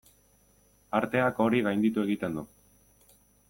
Arteak hori gainditu egiten du.